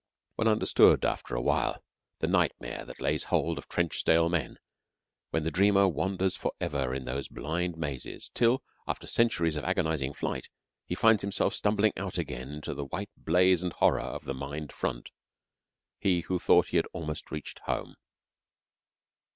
One understood after a while the nightmare that lays hold of trench stale men, when the dreamer wanders for ever in those blind mazes till, after centuries of agonizing flight, he finds himself stumbling out again into the white blaze and horror of the mined front he who thought he had almost reached home!